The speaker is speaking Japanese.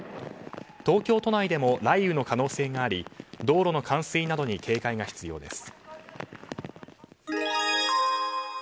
東京都内でも雷雨の可能性があり道路の冠水などに警戒が必要です。